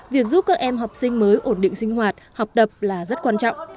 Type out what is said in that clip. việc giúp các em học sinh mới ổn định sinh hoạt học tập là rất quan trọng